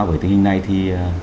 với tình hình này thì